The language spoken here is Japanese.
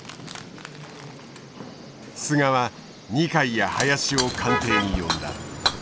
菅は二階や林を官邸に呼んだ。